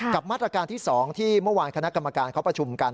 มาตรการที่๒ที่เมื่อวานคณะกรรมการเขาประชุมกัน